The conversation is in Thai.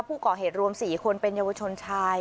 ผู้ก่อเหตุรวม๔คนเป็นเยาวชนชาย